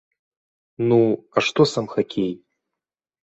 Ну, а што сам хакей?